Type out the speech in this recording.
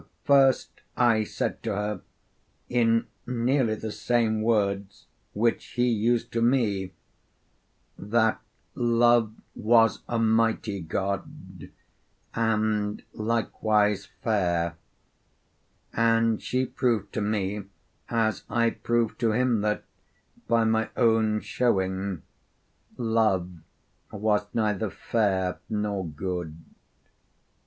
First I said to her in nearly the same words which he used to me, that Love was a mighty god, and likewise fair; and she proved to me as I proved to him that, by my own showing, Love was neither fair nor good.